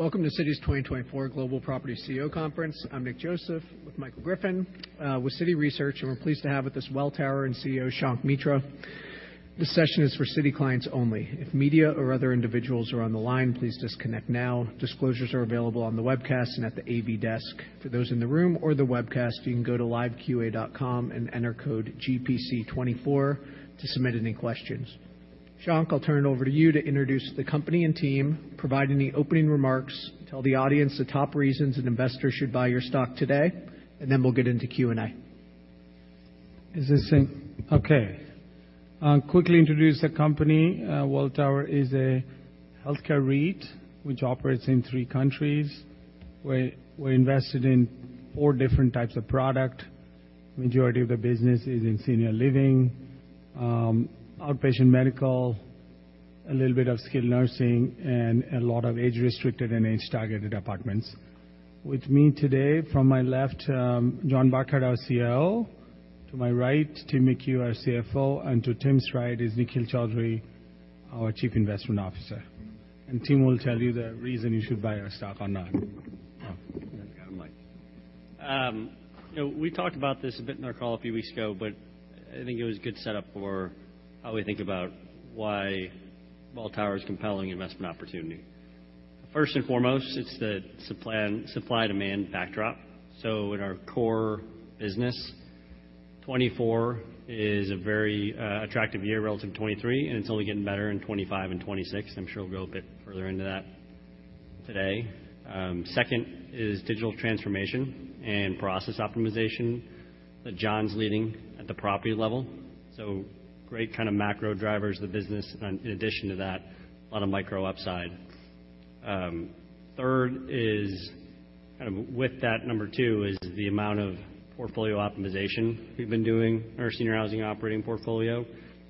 Welcome to Citi's 2024 Global Property CEO Conference. I'm Nick Joseph, with Michael Griffin, with Citi Research, and we're pleased to have with us Welltower and CEO Shankh Mitra. This session is for Citi clients only. If media or other individuals are on the line, please disconnect now. Disclosures are available on the webcast and at the AV desk. For those in the room or the webcast, you can go to liveqa.com and enter code GPC 2024 to submit any questions. Shankh, I'll turn it over to you to introduce the company and team, provide any opening remarks, tell the audience the top reasons an investor should buy your stock today, and then we'll get into Q&A. Okay. I'll quickly introduce the company. Welltower is a healthcare REIT which operates in three countries, where we're invested in four different types of product. Majority of the business is in senior living, outpatient medical, a little bit of skilled nursing, and a lot of age-restricted and age-targeted apartments. With me today, from my left, John Burkart, our COO. To my right, Tim McHugh, our CFO, and to Tim's right is Nikhil Chaudhri, our Chief Investment Officer. And Tim will tell you the reason you should buy our stock or not. Oh, forgot the mic. You know, we talked about this a bit in our call a few weeks ago, but I think it was a good setup for how we think about why Welltower is a compelling investment opportunity. First and foremost, it's the supply-demand backdrop. So in our core business, 2024 is a very attractive year relative to 2023, and it's only getting better in 2025 and 2026. I'm sure we'll go a bit further into that today. Second is digital transformation and process optimization that John's leading at the property level. So great kind of macro drivers of the business, and in addition to that, a lot of micro upside. Third is, kind of with that number two, is the amount of portfolio optimization we've been doing in our senior housing operating portfolio,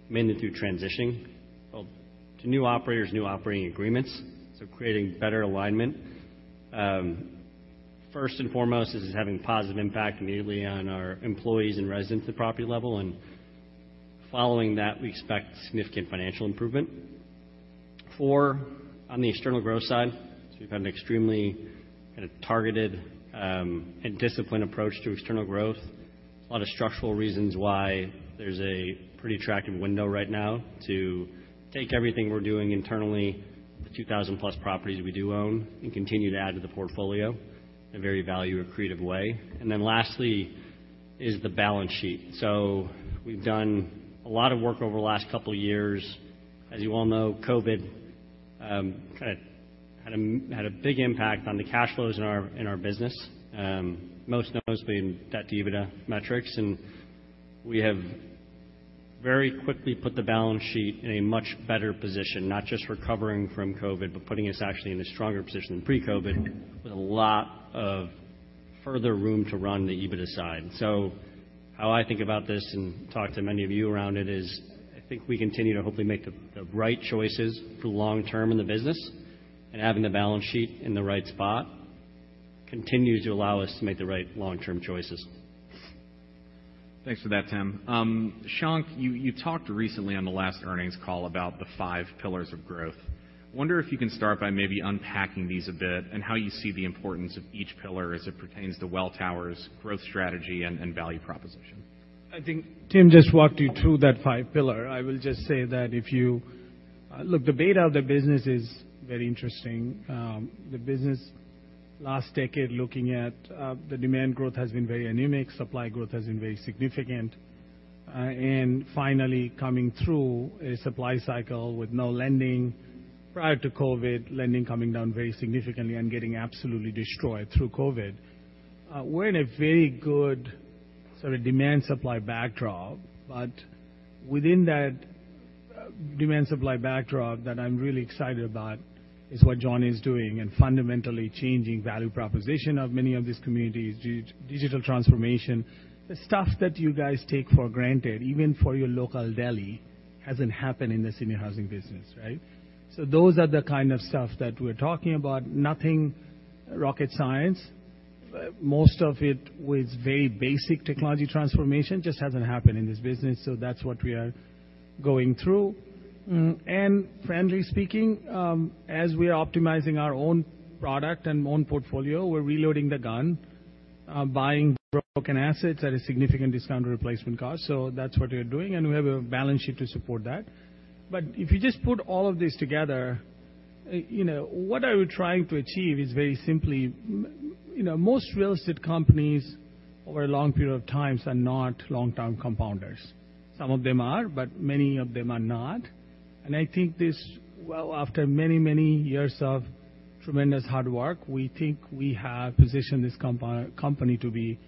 mainly through transitioning, well, to new operators, new operating agreements, so creating better alignment. First and foremost, this is having a positive impact immediately on our employees and residents at the property level, and following that, we expect significant financial improvement. Four, on the external growth side, so we've had an extremely kind of targeted, and disciplined approach to external growth. A lot of structural reasons why there's a pretty attractive window right now to take everything we're doing internally, the 2,000-plus properties we do own, and continue to add to the portfolio in a very value-accretive way. And then lastly is the balance sheet. So we've done a lot of work over the last couple of years. As you all know, COVID kinda had a big impact on the cash flows in our business. Most noticeably in debt-to-EBITDA metrics, and we have very quickly put the balance sheet in a much better position, not just recovering from COVID, but putting us actually in a stronger position than pre-COVID, with a lot of further room to run the EBITDA side. So how I think about this and talk to many of you around it is, I think we continue to hopefully make the right choices for the long term in the business, and having the balance sheet in the right spot continues to allow us to make the right long-term choices. Thanks for that, Tim. Shankh, you talked recently on the last earnings call about the five pillars of growth. I wonder if you can start by maybe unpacking these a bit, and how you see the importance of each pillar as it pertains to Welltower's growth strategy and value proposition. I think Tim just walked you through that five pillar. I will just say that if you look, the beta of the business is very interesting. The business last decade, looking at the demand growth has been very anemic, supply growth has been very significant. And finally, coming through a supply cycle with no lending, prior to COVID, lending coming down very significantly and getting absolutely destroyed through COVID. We're in a very good sort of demand-supply backdrop, but within that demand-supply backdrop that I'm really excited about is what John is doing and fundamentally changing value proposition of many of these communities, digital transformation. The stuff that you guys take for granted, even for your local deli, hasn't happened in the senior housing business, right? So those are the kind of stuff that we're talking about. Nothing rocket science, most of it with very basic technology transformation, just hasn't happened in this business. So that's what we are going through. Frankly speaking, as we are optimizing our own product and own portfolio, we're reloading the gun, buying broken assets at a significant discount to replacement cost. So that's what we're doing, and we have a balance sheet to support that. But if you just put all of this together, you know, what are we trying to achieve is very simply, you know, most real estate companies over a long period of times are not long-term compounders. Some of them are, but many of them are not. And I think this, well, after many, many years of tremendous hard work, we think we have positioned this company to be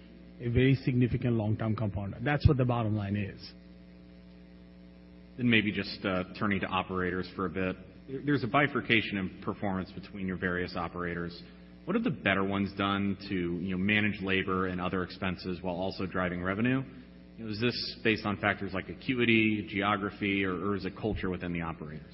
a very significant long-term compounder. That's what the bottom line is. Then maybe just turning to operators for a bit. There's a bifurcation in performance between your various operators. What have the better ones done to, you know, manage labor and other expenses while also driving revenue? You know, is this based on factors like acuity, geography, or is it culture within the operators?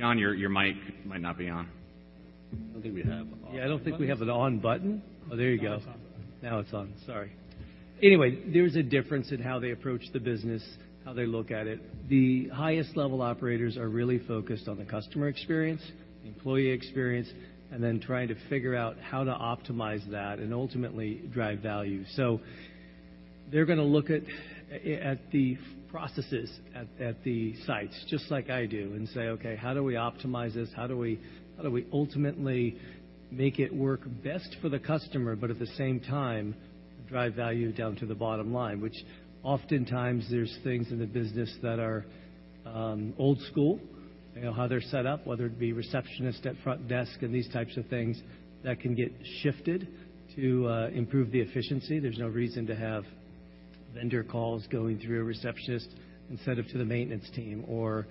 Yeah. So we, there's a-... John, your mic might not be on. I don't think we have- Yeah, I don't think we have an on button. Oh, there you go. Now it's on. Sorry. Anyway, there's a difference in how they approach the business, how they look at it. The highest level operators are really focused on the customer experience, employee experience, and then trying to figure out how to optimize that and ultimately drive value. So they're gonna look at the processes at the sites, just like I do, and say: Okay, how do we optimize this? How do we ultimately make it work best for the customer, but at the same time, drive value down to the bottom line? Which oftentimes there's things in the business that are old school, you know, how they're set up, whether it be receptionists at front desk and these types of things that can get shifted to improve the efficiency. There's no reason to have vendor calls going through a receptionist instead of to the maintenance team, or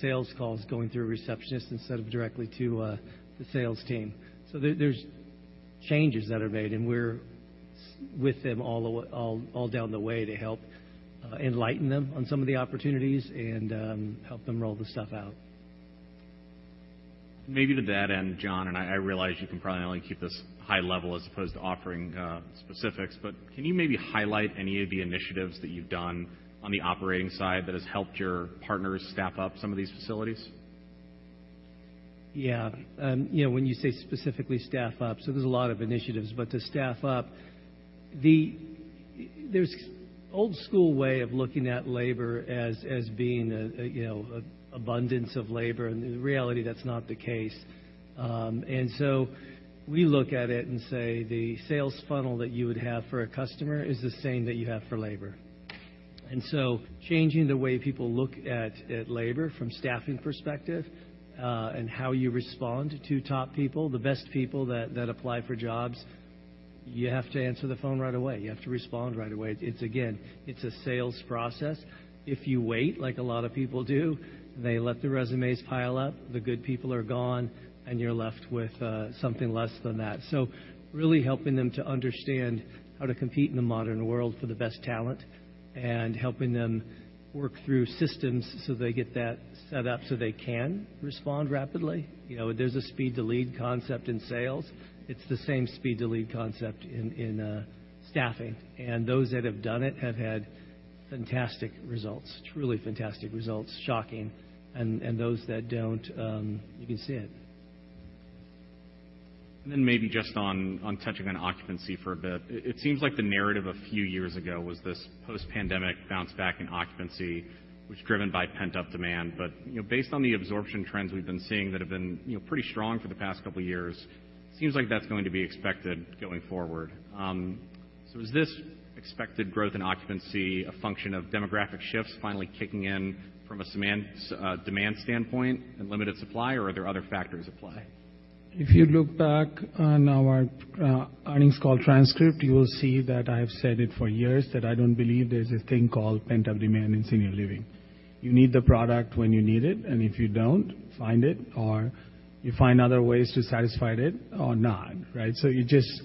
sales calls going through a receptionist instead of directly to the sales team. So there's changes that are made, and we're with them all the way, all down the way to help enlighten them on some of the opportunities and help them roll this stuff out. Maybe to that end, John, and I, I realize you can probably only keep this high level as opposed to offering, specifics, but can you maybe highlight any of the initiatives that you've done on the operating side that has helped your partners staff up some of these facilities? Yeah. You know, when you say specifically staff up, so there's a lot of initiatives, but to staff up, there's old school way of looking at labor as being a you know, a abundance of labor, and in reality, that's not the case. And so we look at it and say, the sales funnel that you would have for a customer is the same that you have for labor. And so changing the way people look at labor from staffing perspective, and how you respond to top people, the best people that apply for jobs, you have to answer the phone right away. You have to respond right away. It's, again, it's a sales process. If you wait, like a lot of people do, they let the resumes pile up, the good people are gone, and you're left with something less than that. So really helping them to understand how to compete in the modern world for the best talent, and helping them work through systems so they get that set up so they can respond rapidly. You know, there's a speed to lead concept in sales. It's the same speed to lead concept in staffing. And those that have done it have had fantastic results, truly fantastic results. Shocking. And those that don't, you can see it. Then maybe just on touching on occupancy for a bit. It seems like the narrative a few years ago was this post-pandemic bounce back in occupancy, which was driven by pent-up demand. But, you know, based on the absorption trends we've been seeing that have been, you know, pretty strong for the past couple of years, it seems like that's going to be expected going forward. So is this expected growth in occupancy a function of demographic shifts finally kicking in from a demand standpoint and limited supply, or are there other factors at play? If you look back on our earnings call transcript, you will see that I have said it for years, that I don't believe there's a thing called pent-up demand in senior living. You need the product when you need it, and if you don't find it, or you find other ways to satisfy it or not, right? So you just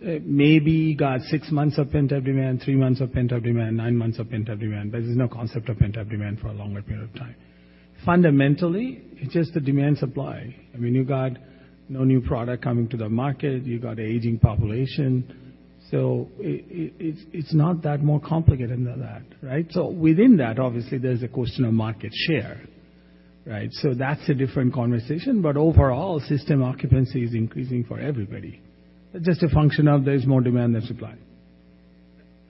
maybe got six months of pent-up demand, three months of pent-up demand, nine months of pent-up demand, but there's no concept of pent-up demand for a longer period of time. Fundamentally, it's just the demand supply. I mean, you got no new product coming to the market. You got an aging population, so it's not that more complicated than that, right? So within that, obviously, there's a question of market share, right? So that's a different conversation, but overall, system occupancy is increasing for everybody. It's just a function of there's more demand than supply.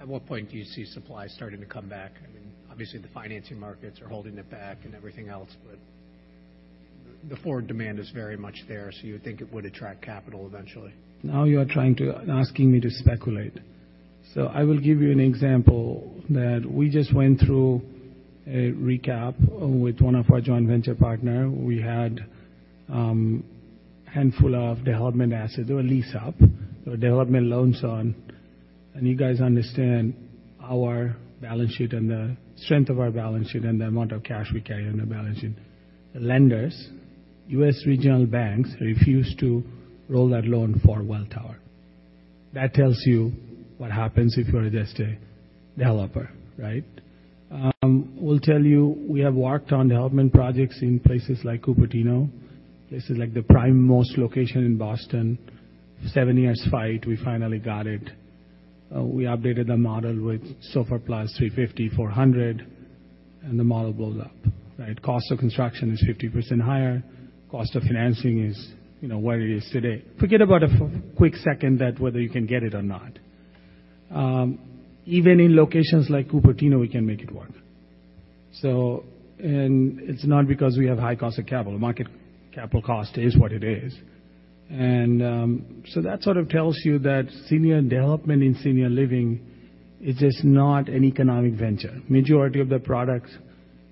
At what point do you see supply starting to come back? I mean, obviously, the financing markets are holding it back and everything else, but the forward demand is very much there, so you would think it would attract capital eventually. Now, you are trying to ask me to speculate. So I will give you an example, that we just went through a recap with one of our joint venture partner. We had handful of development assets or lease up or development loans on, and you guys understand our balance sheet and the strength of our balance sheet and the amount of cash we carry on the balance sheet. The lenders, U.S. regional banks, refuse to roll that loan for Welltower. That tells you what happens if you are just a developer, right? We'll tell you, we have worked on development projects in places like Cupertino. This is like the prime most location in Boston. Seven years fight, we finally got it. We updated the model with 4 plus 350, 400, and the model blew up, right? Cost of construction is 50% higher. Cost of financing is, you know, where it is today. Forget about for a quick second that whether you can get it or not. Even in locations like Cupertino, we can make it work. So... And it's not because we have high cost of capital. Market capital cost is what it is. And, so that sort of tells you that senior development in senior living is just not an economic venture. Majority of the products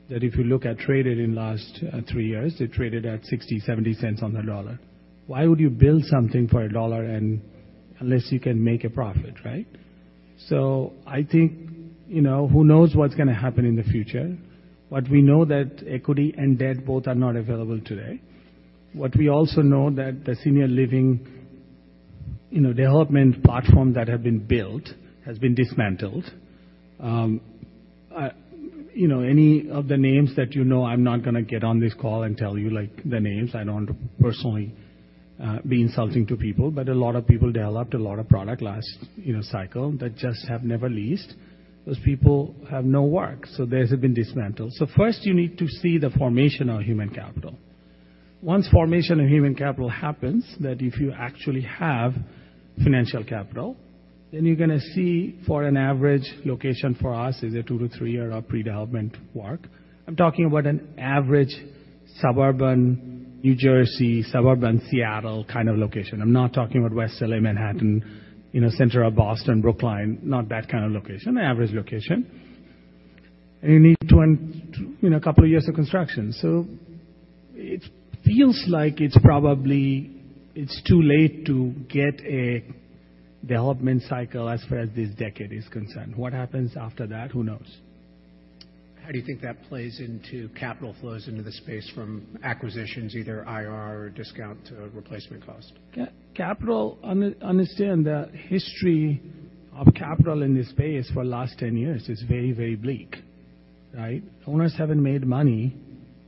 that if you look at traded in last three years, they traded at 60-70 cents on the dollar. Why would you build something for a dollar and unless you can make a profit, right? So I think, you know, who knows what's gonna happen in the future, but we know that equity and debt both are not available today. What we also know that the senior living-... You know, development platform that have been built has been dismantled. You know, any of the names that you know, I'm not gonna get on this call and tell you, like, the names. I don't want to personally be insulting to people, but a lot of people developed a lot of product last, you know, cycle that just have never leased. Those people have no work, so theirs have been dismantled. So first, you need to see the formation of human capital. Once formation of human capital happens, that if you actually have financial capital, then you're gonna see for an average location for us is a 2-3-year pre-development work. I'm talking about an average suburban New Jersey, suburban Seattle kind of location. I'm not talking about West LA, Manhattan, you know, center of Boston, Brookline, not that kind of location, an average location. And you need to in a couple of years of construction. So it feels like it's probably it's too late to get a development cycle as far as this decade is concerned. What happens after that? Who knows? How do you think that plays into capital flows into the space from acquisitions, either IRR or discount to replacement cost? understand the history of capital in this space for the last 10 years is very, very bleak, right? Owners haven't made money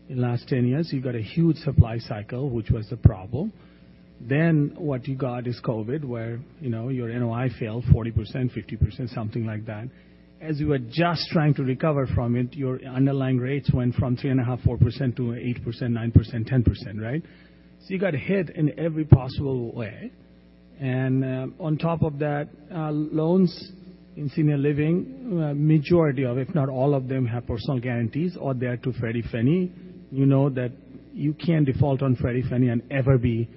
in the last 10 years. You've got a huge supply cycle, which was the problem. Then what you got is COVID, where, you know, your NOI fell 40%, 50%, something like that. As you were just trying to recover from it, your underlying rates went from 3.5%-4% to 8%-9%-10%, right? So you got hit in every possible way. And, on top of that, loans in senior living, majority of, if not all of them, have personal guarantees or they're to Freddie, Fannie. You know that you can't default on Freddie, Fannie and ever be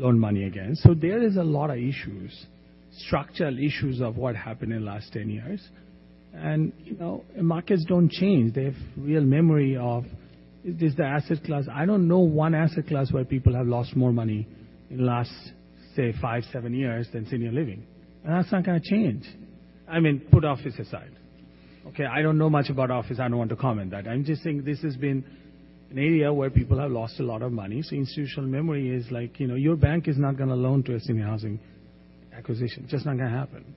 loaned money again. So there is a lot of issues, structural issues of what happened in the last 10 years. And, you know, markets don't change. They have real memory of, this is the asset class. I don't know one asset class where people have lost more money in the last, say, 5, 7 years than senior living, and that's not gonna change. I mean, put office aside. Okay, I don't know much about office. I don't want to comment that. I'm just saying this has been an area where people have lost a lot of money, so institutional memory is like, you know, your bank is not gonna loan to a senior housing acquisition. Just not gonna happen.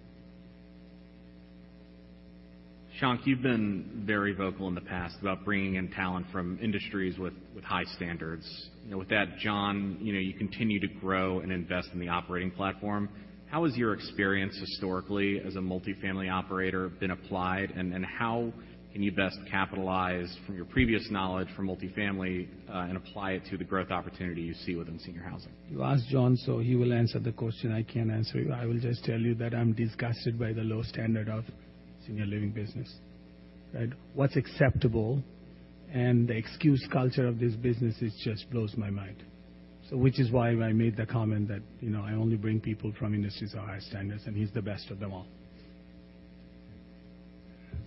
Shankh, you've been very vocal in the past about bringing in talent from industries with high standards. You know, with that, John, you know, you continue to grow and invest in the operating platform. How has your experience historically as a multifamily operator been applied, and how can you best capitalize from your previous knowledge from multifamily, and apply it to the growth opportunity you see within senior housing? You asked John, so he will answer the question. I can't answer you. I will just tell you that I'm disgusted by the low standard of senior living business, right? What's acceptable and the excuse culture of this business, it just blows my mind. So which is why I made the comment that, you know, I only bring people from industries of high standards, and he's the best of them all.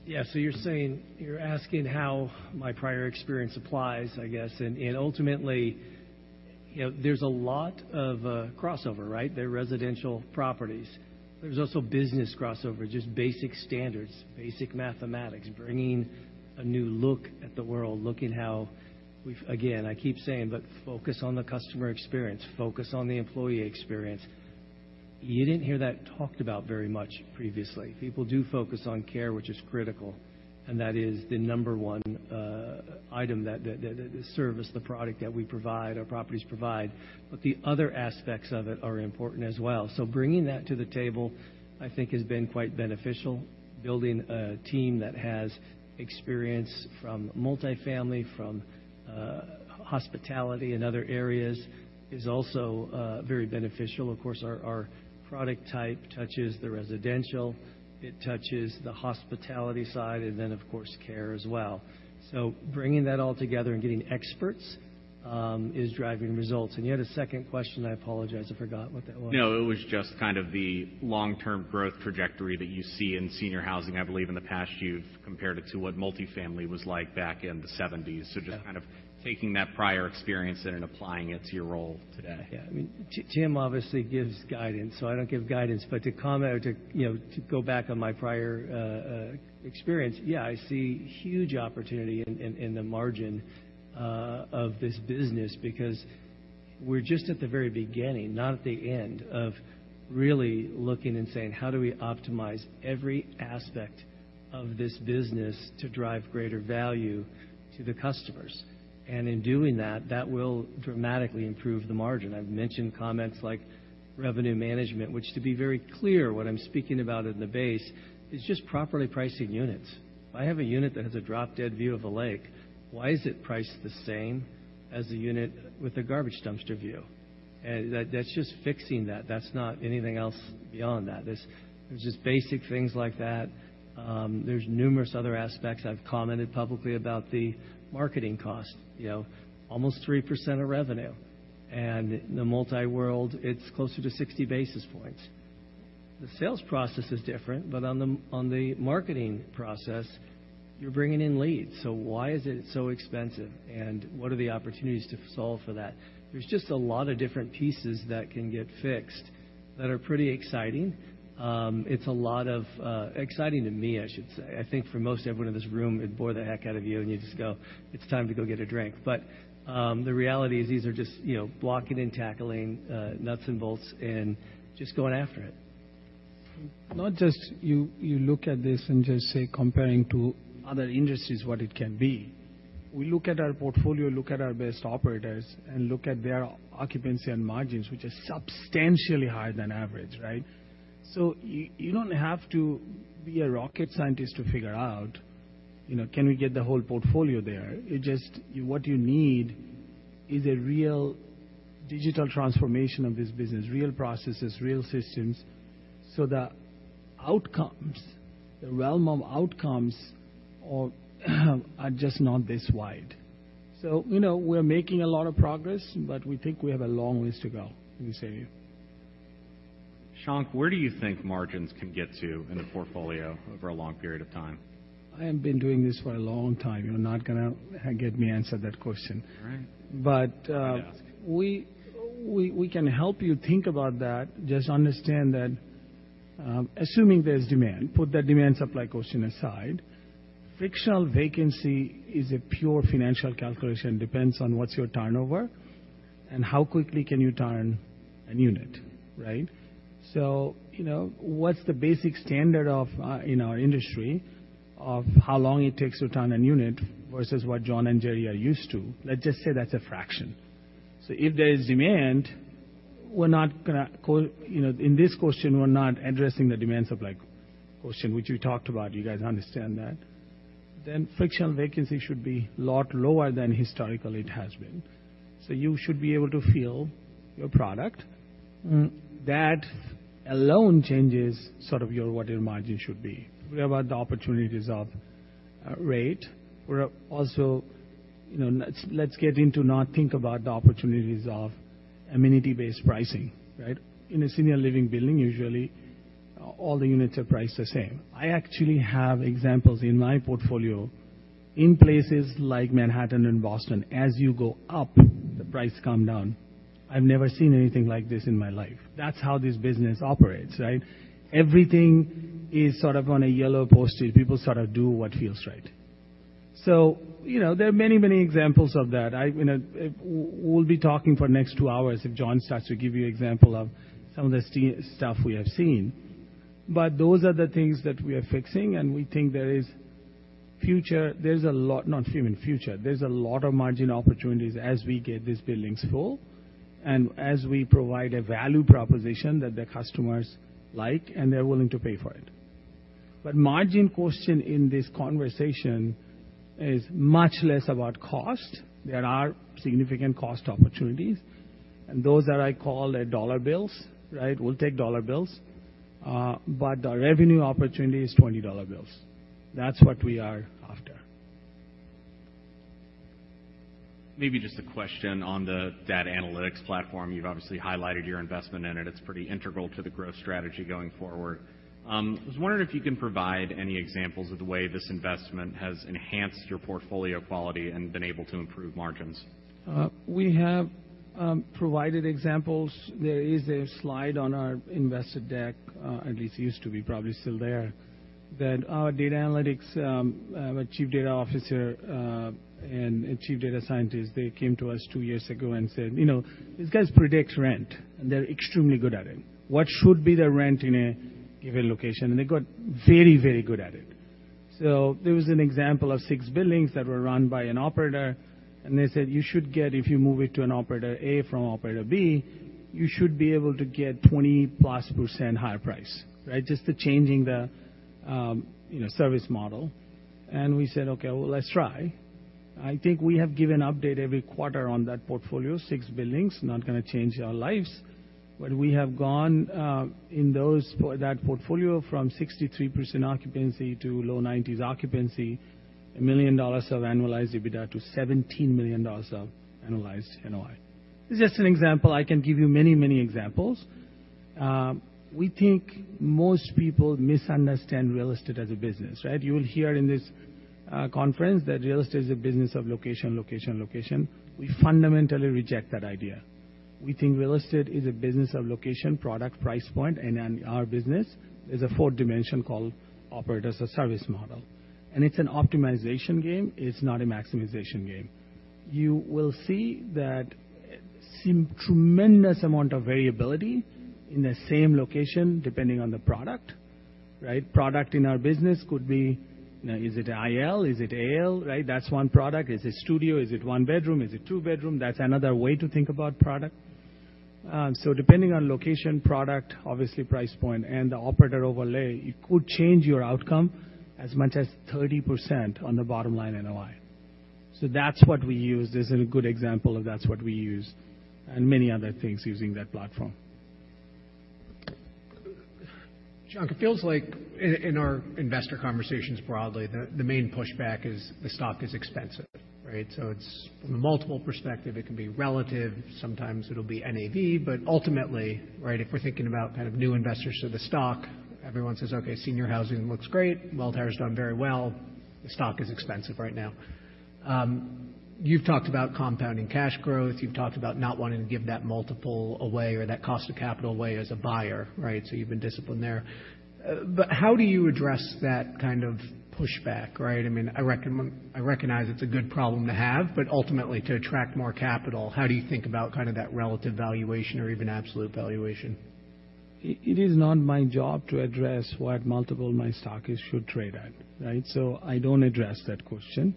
Yeah, so you're saying, you're asking how my prior experience applies, I guess. Ultimately, you know, there's a lot of crossover, right? They're residential properties. There's also business crossover, just basic standards, basic mathematics, bringing a new look at the world, looking how we've... Again, I keep saying, but focus on the customer experience, focus on the employee experience. You didn't hear that talked about very much previously. People do focus on care, which is critical, and that is the number one item, that the service, the product that we provide, our properties provide, but the other aspects of it are important as well. So bringing that to the table, I think, has been quite beneficial. Building a team that has experience from multifamily, from hospitality and other areas is also very beneficial. Of course, our product type touches the residential, it touches the hospitality side, and then, of course, care as well. So bringing that all together and getting experts is driving results. And you had a second question. I apologize. I forgot what that was. No, it was just kind of the long-term growth trajectory that you see in senior housing. I believe in the past, you've compared it to what multifamily was like back in the seventies. Yeah. So just kind of taking that prior experience and applying it to your role today. Yeah. I mean, Tim obviously gives guidance, so I don't give guidance, but to comment or to, you know, to go back on my prior experience, yeah, I see huge opportunity in the margin of this business because we're just at the very beginning, not at the end, of really looking and saying: How do we optimize every aspect of this business to drive greater value to the customers? And in doing that, that will dramatically improve the margin. I've mentioned comments like revenue management, which, to be very clear, what I'm speaking about in the base is just properly pricing units. If I have a unit that has a drop-dead view of a lake, why is it priced the same as a unit with a garbage dumpster view? That's just fixing that. That's not anything else beyond that. There's just basic things like that. There's numerous other aspects. I've commented publicly about the marketing cost, you know, almost 3% of revenue, and in the multi-world, it's closer to 60 basis points. The sales process is different, but on the marketing process, you're bringing in leads. So why is it so expensive, and what are the opportunities to solve for that? There's just a lot of different pieces that can get fixed that are pretty exciting. It's a lot of exciting to me, I should say. I think for most everyone in this room, it'd bore the heck out of you, and you'd just go, "It's time to go get a drink." But the reality is, these are just, you know, blocking and tackling, nuts and bolts and just going after it.... Not just you. You look at this and just say, comparing to other industries, what it can be. We look at our portfolio, look at our best operators, and look at their occupancy and margins, which are substantially higher than average, right? So you don't have to be a rocket scientist to figure out, you know, can we get the whole portfolio there? It just, what you need is a real digital transformation of this business, real processes, real systems, so the outcomes, the realm of outcomes, are just not this wide. So, you know, we're making a lot of progress, but we think we have a long ways to go, let me say. Shank, where do you think margins can get to in the portfolio over a long period of time? I have been doing this for a long time. You're not gonna get me answer that question. All right. But, uh- I had to ask. We can help you think about that. Just understand that, assuming there's demand, put that demand, supply question aside, frictional vacancy is a pure financial calculation, depends on what's your turnover and how quickly can you turn a unit, right? So, you know, what's the basic standard of in our industry of how long it takes to turn a unit versus what John and Jerry are used to? Let's just say that's a fraction. So if there is demand, we're not gonna, you know, in this question, we're not addressing the demand supply question, which we talked about. You guys understand that. Then frictional vacancy should be a lot lower than historically it has been. So you should be able to fill your product. That alone changes sort of your, what your margin should be. We have the opportunities of rate. We're also, you know, let's get into not think about the opportunities of amenity-based pricing, right? In a senior living building, usually all the units are priced the same. I actually have examples in my portfolio in places like Manhattan and Boston, as you go up, the price come down. I've never seen anything like this in my life. That's how this business operates, right? Everything is sort of on a yellow postage. People sort of do what feels right. So, you know, there are many, many examples of that. You know, we'll be talking for next two hours if John starts to give you example of some of the stuff we have seen. But those are the things that we are fixing, and we think there is future. There's a lot, not human future. There's a lot of margin opportunities as we get these buildings full and as we provide a value proposition that the customers like, and they're willing to pay for it. But margin question in this conversation is much less about cost. There are significant cost opportunities, and those that I call the dollar bills, right? We'll take dollar bills, but the revenue opportunity is 20 dollar bills. That's what we are after. Maybe just a question on the data analytics platform. You've obviously highlighted your investment in it. It's pretty integral to the growth strategy going forward. I was wondering if you can provide any examples of the way this investment has enhanced your portfolio quality and been able to improve margins? We have provided examples. There is a slide on our investor deck, at least used to be, probably still there, that our data analytics, our Chief Data Officer and Chief Data Scientist, they came to us two years ago and said, "You know, these guys predict rent, and they're extremely good at it. What should be the rent in a given location?" And they got very, very good at it. So there was an example of six buildings that were run by an operator, and they said, "You should get, if you move it to an operator A from operator B, you should be able to get 20%+ higher price, right? Just the changing the, you know, service model." And we said, "Okay, well, let's try." I think we have given update every quarter on that portfolio, 6 buildings, not gonna change our lives. But we have gone in those for that portfolio from 63% occupancy to low 90s occupancy, $1 million of annualized EBITDA to $17 million of annualized NOI. It's just an example. I can give you many, many examples. We think most people misunderstand real estate as a business, right? You will hear in this conference that real estate is a business of location, location, location. We fundamentally reject that idea. We think real estate is a business of location, product, price point, and then our business is a fourth dimension called Operator-as-a-Service model. And it's an optimization game, it's not a maximization game. You will see that tremendous amount of variability in the same location, depending on the product, right? Product in our business could be, is it IL? Is it AL, right? That's one product. Is it studio? Is it one bedroom? Is it two bedroom? That's another way to think about product. So depending on location, product, obviously, price point, and the operator overlay, it could change your outcome as much as 30% on the bottom line, NOI. So that's what we use. This is a good example of that's what we use, and many other things using that platform. Shank, it feels like in our investor conversations broadly, the main pushback is the stock is expensive, right? So it's from a multiple perspective, it can be relative, sometimes it'll be NAV, but ultimately, right, if we're thinking about kind of new investors to the stock, everyone says, "Okay, senior housing looks great. Welltower has done very well. The stock is expensive right now." You've talked about compounding cash growth, you've talked about not wanting to give that multiple away or that cost of capital away as a buyer, right? So you've been disciplined there. But how do you address that kind of pushback, right? I mean, I recognize it's a good problem to have, but ultimately, to attract more capital, how do you think about kind of that relative valuation or even absolute valuation?... It is not my job to address what multiple my stock should trade at, right? So I don't address that question.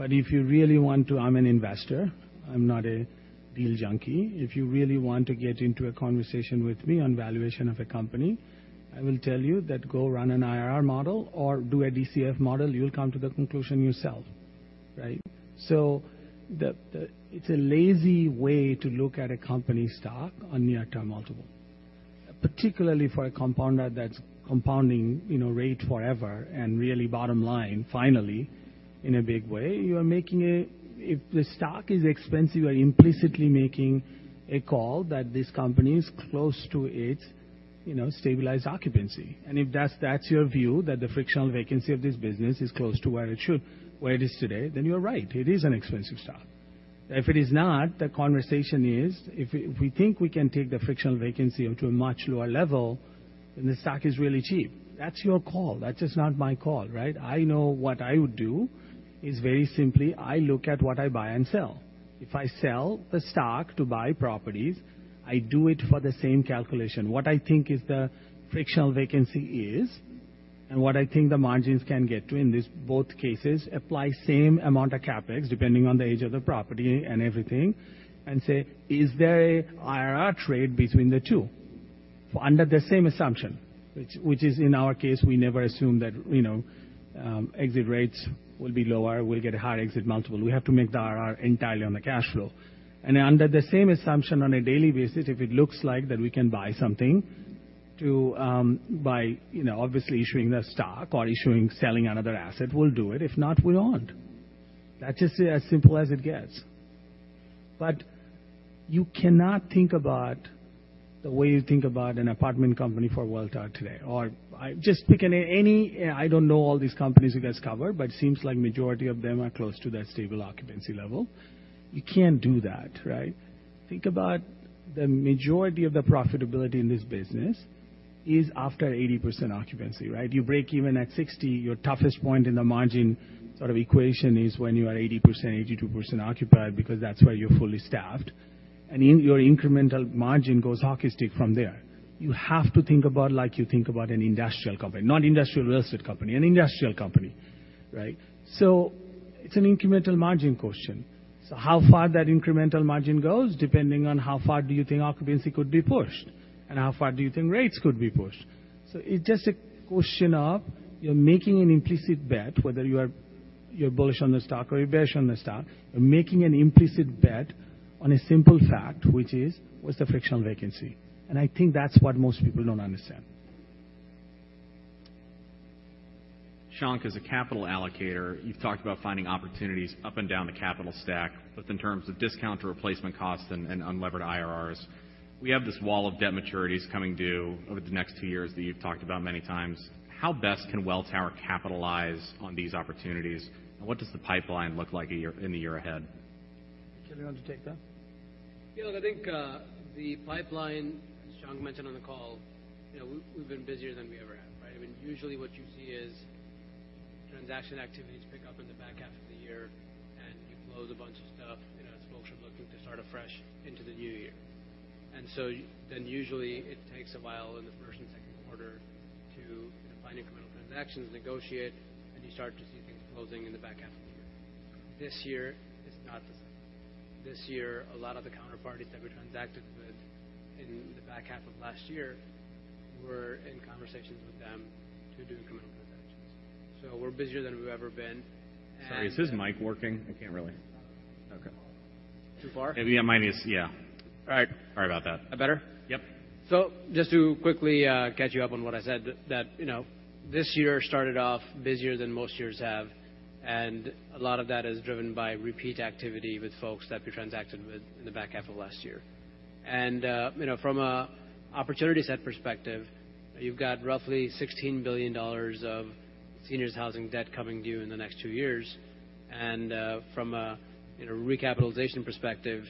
But if you really want to, I'm an investor, I'm not a deal junkie. If you really want to get into a conversation with me on valuation of a company, I will tell you that go run an IRR model or do a DCF model. You'll come to the conclusion yourself, right? So the, it's a lazy way to look at a company's stock on near-term multiple, particularly for a compounder that's compounding, you know, rate forever and really bottom line, finally, in a big way, you are making a, if the stock is expensive, you are implicitly making a call that this company is close to its, you know, stabilized occupancy. And if that's, that's your view, that the frictional vacancy of this business is close to where it should, where it is today, then you're right, it is an expensive stock. If it is not, the conversation is, if we, if we think we can take the frictional vacancy into a much lower level, then the stock is really cheap. That's your call. That's just not my call, right? I know what I would do is very simply, I look at what I buy and sell. If I sell the stock to buy properties, I do it for the same calculation. What I think is the frictional vacancy is, and what I think the margins can get to in this both cases, apply same amount of CapEx, depending on the age of the property and everything, and say, is there an IRR trade between the two? Under the same assumption, which is in our case, we never assume that, you know, exit rates will be lower, we'll get a higher exit multiple. We have to make the IRR entirely on the cash flow. And under the same assumption on a daily basis, if it looks like that we can buy something to, by, you know, obviously issuing the stock or issuing, selling another asset, we'll do it. If not, we won't. That's just as simple as it gets. But you cannot think about the way you think about an apartment company for Welltower today, or just pick any. I don't know all these companies you guys cover, but it seems like majority of them are close to that stable occupancy level. You can't do that, right? Think about the majority of the profitability in this business is after 80% occupancy, right? You break even at 60, your toughest point in the margin sort of equation is when you are 80%, 82% occupied, because that's where you're fully staffed. And your incremental margin goes hockey stick from there. You have to think about, like, you think about an industrial company, not industrial real estate company, an industrial company, right? So it's an incremental margin question. So how far that incremental margin goes, depending on how far do you think occupancy could be pushed and how far do you think rates could be pushed. So it's just a question of you're making an implicit bet, whether you are, you're bullish on the stock or you're bearish on the stock. You're making an implicit bet on a simple fact, which is: What's the frictional vacancy? I think that's what most people don't understand. Shankh, as a capital allocator, you've talked about finding opportunities up and down the capital stack, both in terms of discount to replacement costs and unlevered IRRs. We have this wall of debt maturities coming due over the next two years that you've talked about many times. How best can Welltower capitalize on these opportunities? And what does the pipeline look like in the year ahead? Nikhil, you want to take that? Yeah, look, I think, the pipeline, as Shankh mentioned on the call, you know, we've been busier than we ever have, right? I mean, usually what you see is transaction activities pick up in the back half of the year, and you close a bunch of stuff, you know, as folks are looking to start afresh into the new year. And so then usually it takes a while in the first and second quarter to find incremental transactions, negotiate, and you start to see things closing in the back half of the year. This year is not the same. This year, a lot of the counterparties that we transacted with in the back half of last year, we're in conversations with them to do incremental transactions. So we're busier than we've ever been. And- Sorry, is his mic working? I can't really... Okay. Too far? Maybe, yeah, mine is... Yeah. All right. Sorry about that. That better? Yep. So just to quickly catch you up on what I said, that, you know, this year started off busier than most years have, and a lot of that is driven by repeat activity with folks that we transacted with in the back half of last year. And, you know, from a opportunity set perspective, you've got roughly $16 billion of seniors housing debt coming due in the next two years. And, from a, you know, recapitalization perspective,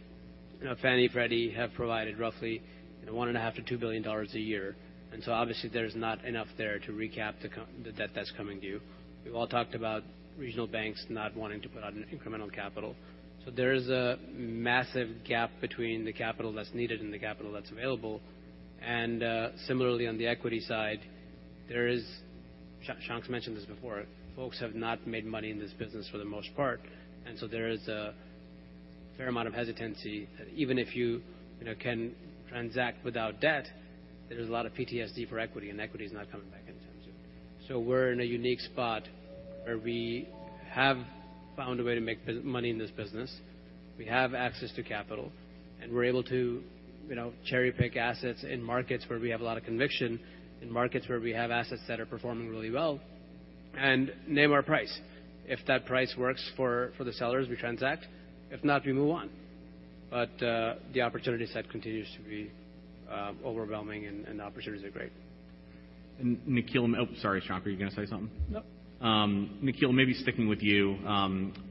you know, Fannie and Freddie have provided roughly $1.5 billion-$2 billion a year. And so obviously, there's not enough there to recap the debt that's coming due. We've all talked about regional banks not wanting to put out an incremental capital. So there is a massive gap between the capital that's needed and the capital that's available. And similarly, on the equity side, there is, Shankh mentioned this before, folks have not made money in this business for the most part, and so there is a fair amount of hesitancy, even if you, you know, can transact without debt, there's a lot of PTSD for equity, and equity is not coming back anytime soon. So we're in a unique spot where we have found a way to make money in this business. We have access to capital, and we're able to, you know, cherry-pick assets in markets where we have a lot of conviction, in markets where we have assets that are performing really well and name our price. If that price works for the sellers, we transact. If not, we move on. But the opportunity set continues to be overwhelming, and the opportunities are great. And Nikhil... Oh, sorry, Shankh, are you gonna say something? No. Nikhil, maybe sticking with you.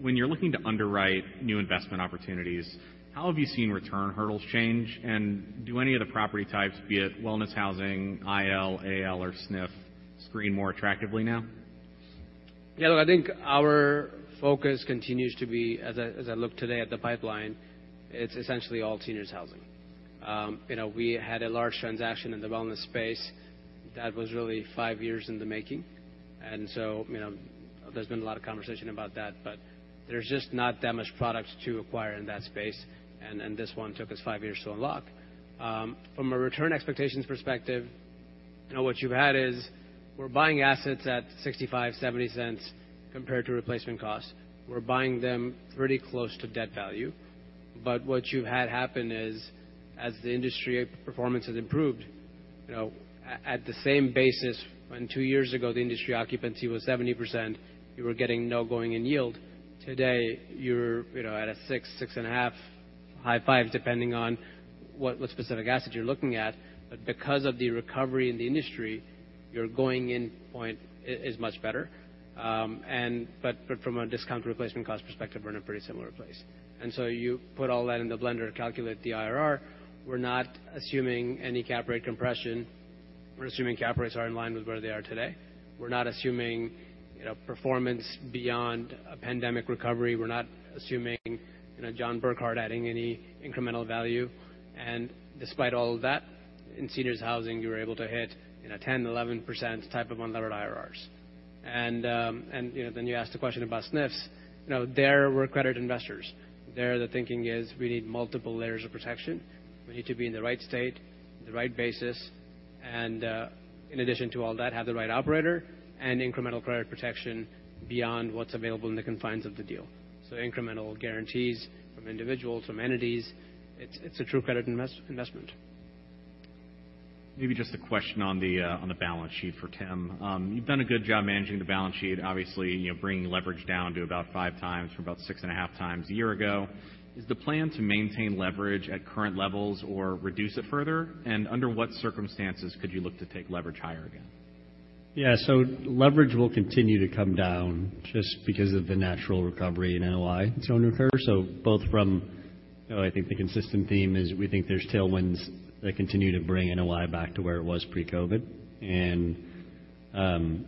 When you're looking to underwrite new investment opportunities, how have you seen return hurdles change? And do any of the property types, be it wellness, housing, IL, AL, or SNF, screen more attractively now?... Yeah, look, I think our focus continues to be, as I look today at the pipeline, it's essentially all seniors housing. You know, we had a large transaction in the wellness space that was really five years in the making. And so, you know, there's been a lot of conversation about that, but there's just not that much product to acquire in that space, and this one took us five years to unlock. From a return expectations perspective, you know, what you've had is, we're buying assets at $0.65-$0.70 compared to replacement costs. We're buying them pretty close to debt value. But what you've had happen is, as the industry performance has improved, you know, at the same basis, when two years ago, the industry occupancy was 70%, you were getting no going in yield. Today, you're, you know, at a 6, 6.5, high 5s, depending on what specific asset you're looking at. But because of the recovery in the industry, your going in point is much better. And but, but from a discount replacement cost perspective, we're in a pretty similar place. And so you put all that in the blender to calculate the IRR. We're not assuming any cap rate compression. We're assuming cap rates are in line with where they are today. We're not assuming, you know, performance beyond a pandemic recovery. We're not assuming, you know, John Burkart adding any incremental value. And despite all of that, in seniors housing, you were able to hit, you know, 10, 11% type of unlevered IRRs. And, and, you know, then you asked a question about SNFs. You know, there were credit investors. There, the thinking is we need multiple layers of protection. We need to be in the right state, the right basis, and in addition to all that, have the right operator and incremental credit protection beyond what's available in the confines of the deal. So incremental guarantees from individuals, from entities, it's a true credit investment. Maybe just a question on the balance sheet for Tim. You've done a good job managing the balance sheet, obviously, you know, bringing leverage down to about 5x from about 6.5x a year ago. Is the plan to maintain leverage at current levels or reduce it further? And under what circumstances could you look to take leverage higher again? Yeah, so leverage will continue to come down just because of the natural recovery in NOI, it's going to occur. So both from... You know, I think the consistent theme is we think there's tailwinds that continue to bring NOI back to where it was pre-COVID. And,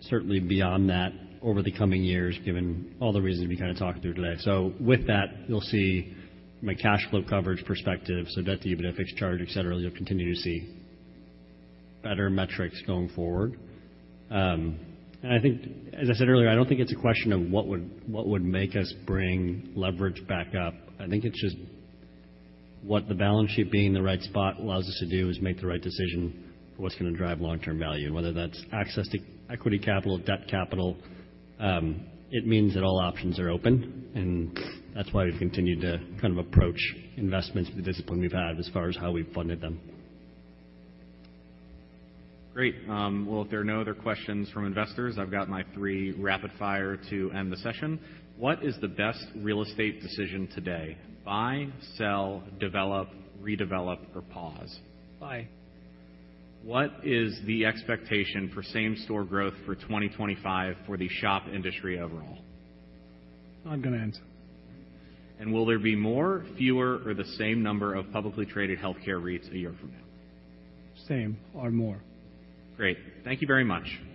certainly beyond that, over the coming years, given all the reasons we kind of talked through today. So with that, you'll see my cash flow coverage perspective, so debt to EBITDA, fixed charge, et cetera, you'll continue to see better metrics going forward. And I think, as I said earlier, I don't think it's a question of what would, what would make us bring leverage back up. I think it's just what the balance sheet being in the right spot allows us to do, is make the right decision for what's gonna drive long-term value, whether that's access to equity capital or debt capital. It means that all options are open, and that's why we've continued to kind of approach investments with the discipline we've had as far as how we've funded them. Great. Well, if there are no other questions from investors, I've got my three rapid fire to end the session. What is the best real estate decision today: buy, sell, develop, redevelop, or pause? Buy. What is the expectation for same store growth for 2025 for the SHOP industry overall? Not gonna answer. Will there be more, fewer, or the same number of publicly traded healthcare REITs a year from now? Same or more. Great. Thank you very much.